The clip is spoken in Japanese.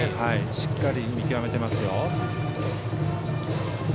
しっかり見極めていますよ。